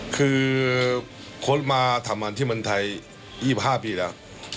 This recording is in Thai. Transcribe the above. คือโค้ดมาทำงานที่เมืองไทย๒๕ปีแล้ว